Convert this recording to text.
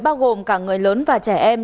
bao gồm cả người lớn và trẻ em